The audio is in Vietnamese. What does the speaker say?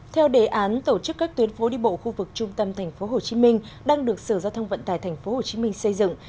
theo đề án tổ chức các tuyến phố đi bộ khu vực trung tâm tp hcm đang được sở giao thông vận tài tp hcm xây dựng